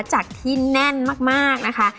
จากที่แน่นมากนะคะ